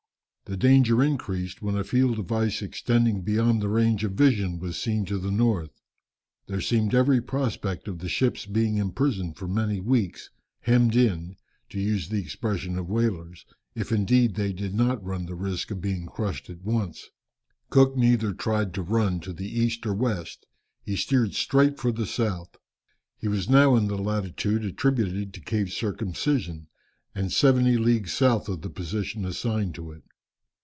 The danger increased, when a field of ice extending beyond the range of vision was seen to the north. There seemed every prospect of the ships being imprisoned for many weeks, "hemmed in," to use the expression of whalers, if indeed they did not run the risk of being crushed at once. Cook neither tried to run to the west or east, he steered straight for the south. He was now in the latitude attributed to Cape Circumcision, and seventy leagues south of the position assigned to it.